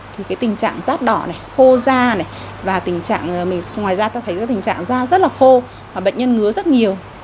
thì cái tình trạng rát đỏ này khô da này và tình trạng ngoài ra ta thấy cái tình trạng da rất là khô và bệnh nhân ngứa rất nhiều